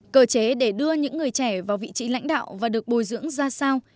cơ chế để đưa những người trẻ vào vị trí lãnh đạo và được bồi dưỡng ra sao